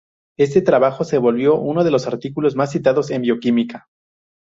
Este trabajo se volvió uno de los artículos más citados en bioquímica.